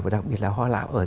và đặc biệt là khoa lão